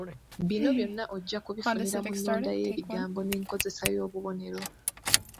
Bino byonna ojja kubifunira mu nnonda ye ey’ebigambo, nenkozesa y’obubonero